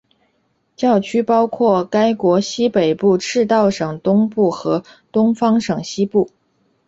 教区包括该国西北部赤道省东部和东方省西部。